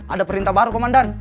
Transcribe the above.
ada perintah baru komandan